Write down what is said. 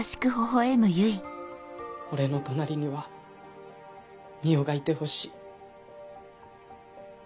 俺の隣には澪がいてほしい。